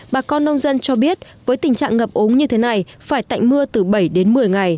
bà con nông dân cho biết với tình trạng ngập ống như thế này phải tạnh mưa từ bảy đến một mươi ngày